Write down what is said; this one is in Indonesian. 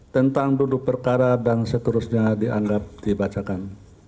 tentang duduk perkara dan seterusnya dianggap dibacakan